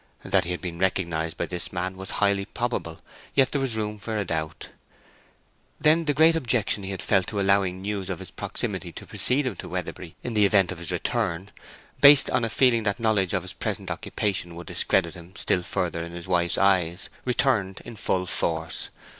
That he had been recognized by this man was highly probable; yet there was room for a doubt. Then the great objection he had felt to allowing news of his proximity to precede him to Weatherbury in the event of his return, based on a feeling that knowledge of his present occupation would discredit him still further in his wife's eyes, returned in full force.